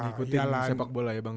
ikutin sepak bola ya bang